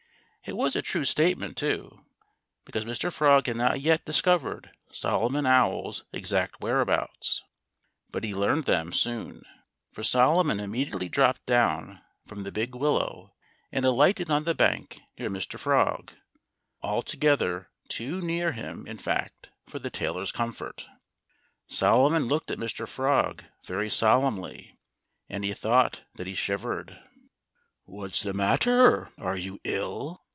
It was a true statement, too; because Mr. Frog had not yet discovered Solomon Owl's exact whereabouts. But he learned them soon; for Solomon immediately dropped down from the big willow and alighted on the bank near Mr. Frog—altogether too near him, in fact, for the tailor's comfort. Solomon looked at Mr. Frog very solemnly. And he thought that he shivered. "What's the matter? Are you ill?"